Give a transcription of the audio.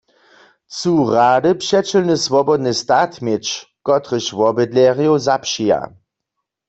Chcu rady přećelny swobodny stat měć, kotryž wobydlerjow zapřija.